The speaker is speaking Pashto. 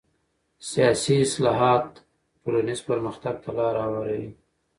سیاسي اصلاحات ټولنیز پرمختګ ته لاره هواروي